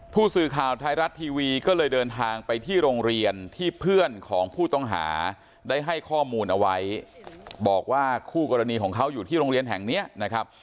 ผู้สื่อข่าวไทยรัฐทีวีก็เลยเดินทางไปที่โรงเรียนที่เพื่อนของผู้ต้องหาได้ให้ข้อมูลเอาไว้บอกว่าคู่กรณีของเขาอยู่ที่โรงเรียนแห่งเนี้ยนะครับ